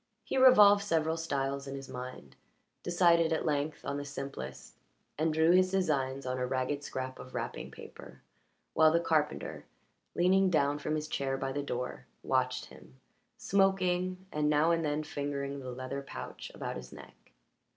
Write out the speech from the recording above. He revolved several styles in his mind, decided at length on the simplest, and drew his designs on a ragged scrap of wrapping paper, while the carpenter, leaning down from his chair by the door, watched him, smoking, and now and then fingering the leather pouch about his neck.